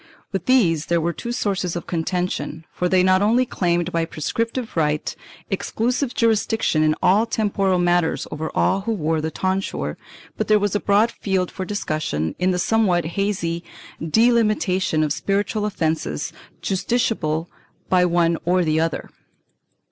With these there were two sources of contention, for they not only claimed by prescriptive right exclusive jurisdiction in all temporal matters over all who wore the tonsure, but there was a broad field for discussion in the somewhat hazy delimitation of spiritual offences justiciable by one or the other.